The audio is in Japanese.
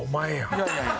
いやいやいや。